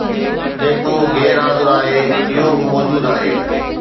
جيڪو غير حاضر آهي اهو به موجود آهي